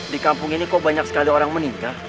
di kampung ini kok banyak sekali orang meninggal